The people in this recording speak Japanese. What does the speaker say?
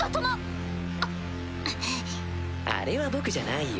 あれは僕じゃないよ。